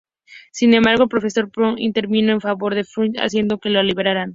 Sin embargo, el profesor Born intervino en favor de Fuchs, haciendo que le liberaran.